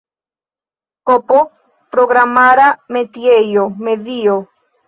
Kp programara metiejo, medio.